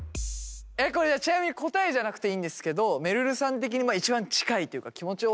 これちなみに答えじゃなくていいんですけどめるるさん的に一番近いというかジェシーさん。